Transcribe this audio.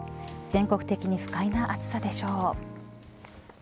全国的に不快な暑さでしょう。